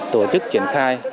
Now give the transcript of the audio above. tổ chức triển khai